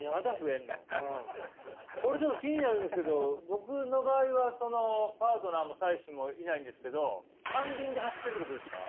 これちょっと気になるんですけど僕の場合はそのパートナーも妻子もいないんですけど３輪で走ってるってことですか？